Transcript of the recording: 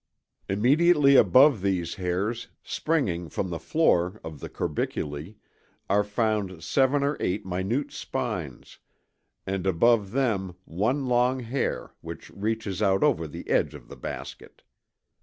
Immediately above these hairs, springing from the floor of the corbicula, are found 7 or 8 minute spines, and above them one long hair which reaches out over the lower edge of the basket.